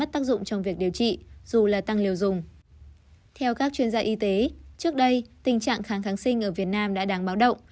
trước đây tình trạng kháng kháng sinh ở việt nam đã đáng báo động